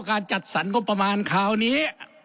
การจัดสรรความประมาณข้าวนี้